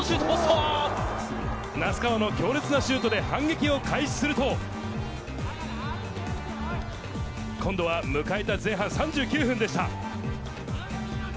ポス名須川の強烈なシュートで反撃を開始すると、今度は迎えた前半３９分でした。